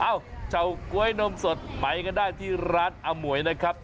เอ้าเฉาก๊วยนมสดไปกันได้ที่ร้านอมวยนะครับ